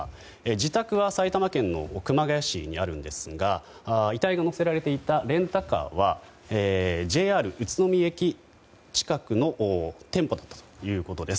自宅は埼玉県の熊谷市にあるんですが遺体が載せられていたレンタカーはＪＲ宇都宮駅近くの店舗だったということです。